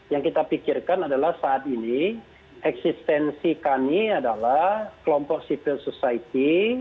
yang kita pikirkan adalah saat ini eksistensi kami adalah kelompok civil society